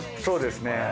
そうですね。